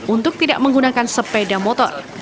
untuk tidak menggunakan sepeda motor